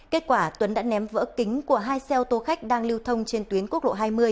kết quả tuấn đã ném vỡ kính của hai xe ô tô khách đang lưu thông trên tuyến quốc lộ hai mươi